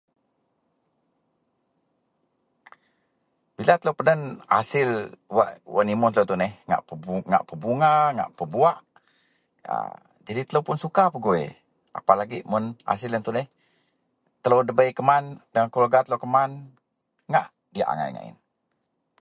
bila telou peden hasil wak wak nimun telou tuineh ngak peb ngak pebunga ngak pebuwak a jadi telo pun suka pegui, apalagi hasil ien tuneh telou debei keman dan keluarga telou keman, ngak diyak angai ngak ien